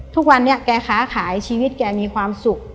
ทุกวันนี้แกค้าขายชีวิตแกมีความสุข